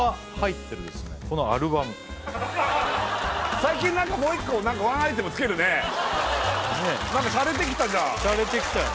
最近何かもう１個ワンアイテムつけるねシャレてきたよね